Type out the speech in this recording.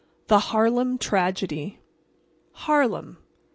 A HARLEM TRAGEDY Harlem.